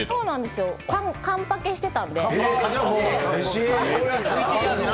完パケしてたんで。